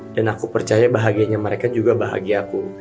dan aku percaya bahagianya mereka juga bahagia aku